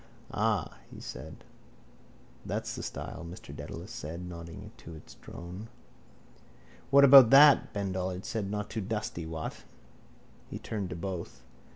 —Aw! he said. —That's the style, Mr Dedalus said, nodding to its drone. —What about that? Ben Dollard said. Not too dusty? What? He turned to both.